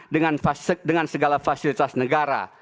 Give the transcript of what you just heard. dengan segala fasilitas negara